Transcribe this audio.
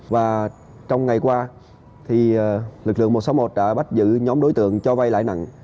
và trong ngày qua lực lượng một trăm sáu mươi một đã bắt giữ nhóm đối tượng cho vay lãi nặng